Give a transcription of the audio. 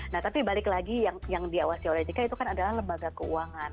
nah tapi balik lagi yang diawasi oleh jk itu kan adalah lembaga keuangan